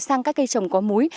sang các cây trồng có múi